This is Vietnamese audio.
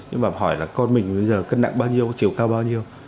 nhưng mà hỏi là con mình bây giờ cân nặng bao nhiêu chiều cao bao nhiêu